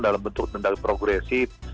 dalam bentuk denda progresif